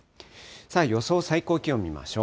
予想最高気温見ましょう。